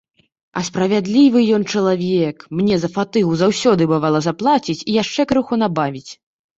А справядлівы ён чалавек, мне за фатыгу заўсёды, бывала, заплаціць і яшчэ крыху набавіць.